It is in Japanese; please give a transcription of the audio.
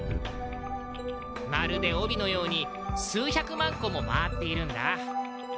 まるで帯のように数百万個も回っているんだ。